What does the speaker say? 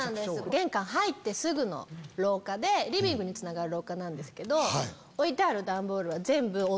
玄関入ってすぐの廊下でリビングにつながる廊下なんですけど置いてある段ボールは。